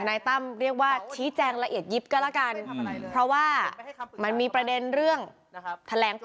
แต่ถ้าผมพิสูจน์ไม่ได้ผมก็แอดล็อกเสียเงินถึงร้อยล้าน